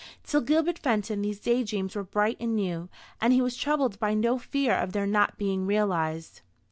To Gilbert Fenton these day dreams were bright and new, and he was troubled by no fear of their not being realized.